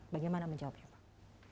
bagaimana menjawabnya pak